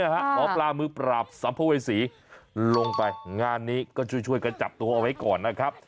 หมอปลามือปราบสัมภเวษีลงไปงานนี้ก็ช่วยกันจับตัวเอาไว้ก่อนนะครับ